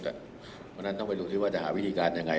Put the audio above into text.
เพราะฉะนั้นต้องไปดูซิว่าจะหาวิธีการยังไง